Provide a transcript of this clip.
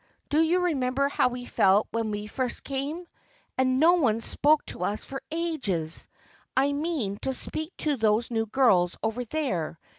Do you remember how we felt when we first came ? And no one spoke to us for ages. I mean to speak to those new girls over there.